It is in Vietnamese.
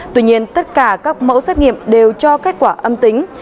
tuy nhiên tất cả các mẫu xét nghiệm đều cho kết quả âm tính